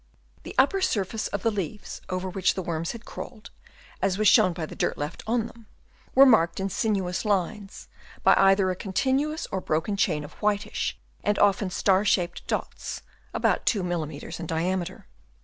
The upper surfaces of the leaves, over which the worms had crawled, as was shown by the dirt left on them, were marked in sinuous lines, by either a continuous or broken chain of whitish and often star shaped dots, about 2 mm. in diameter.